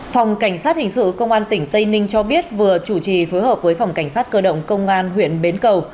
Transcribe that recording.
phòng cảnh sát hình sự công an tỉnh tây ninh cho biết vừa chủ trì phối hợp với phòng cảnh sát cơ động công an huyện bến cầu